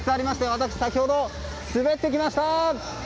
私、先ほど滑ってきました。